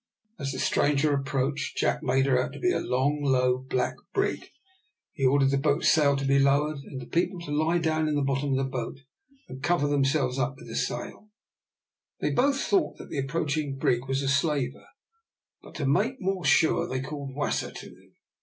As the stranger approached, Jack made her out to be a long, low, black brig; he ordered the boat's sail to be lowered, and the people to lie down in the bottom of the boat, and to cover themselves up with the sail. They both thought that the approaching brig was a slaver, but to make more sure they called Wasser to them.